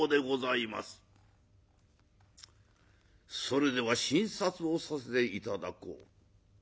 「それでは診察をさせて頂こう」。